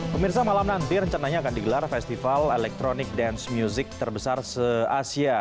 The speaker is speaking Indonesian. pemirsa malam nanti rencananya akan digelar festival electronic dance music terbesar se asia